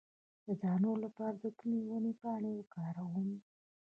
د دانو لپاره د کومې ونې پاڼې وکاروم؟